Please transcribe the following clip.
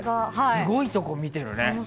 すごいところ見てるね。